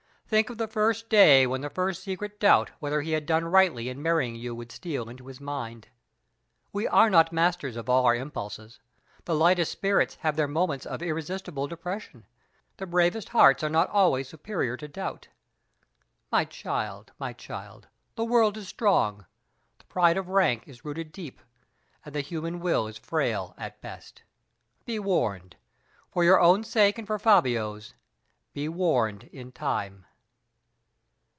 Think of the first day when the first secret doubt whether he had done rightly in marrying you would steal into his mind. We are not masters of all our impulses. The lightest spirits have their moments of irresistible depression; the bravest hearts are not always superior to doubt. My child, my child, the world is strong, the pride of rank is rooted deep, and the human will is frail at best! Be warned! For your own sake and for Fabio's, be warned in time."